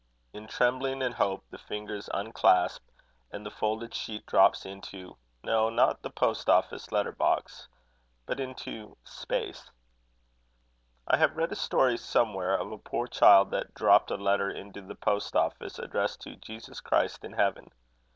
In trembling and hope the fingers unclasp, and the folded sheet drops into no, not the post office letter box but into space. I have read a story somewhere of a poor child that dropped a letter into the post office, addressed to Jesus Christ in Heaven.